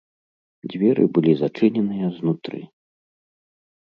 Дзверы былі зачыненыя знутры.